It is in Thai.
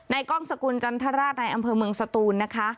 กล้องสกุลจันทราชในอำเภอเมืองสตูนนะคะ